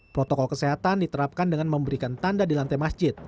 protokol kesehatan diterapkan dengan memberikan tanda di lantai masjid